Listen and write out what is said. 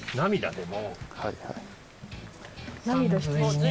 でも。